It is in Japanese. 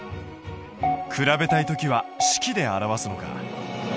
比べたい時は式で表すのか。